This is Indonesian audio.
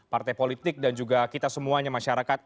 partai politik dan juga kita semuanya masyarakat